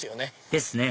ですね